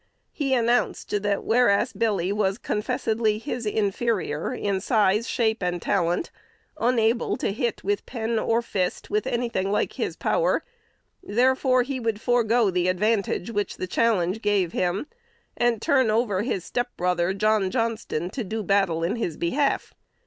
He announced, that whereas Billy was confessedly his inferior in size, shape, and talents, unable to hit with pen or fist with any thing like his power, therefore he would forego the advantage which the challenge gave him, and "turn over" his stepbrother, John Johnston, to do battle in his behalf.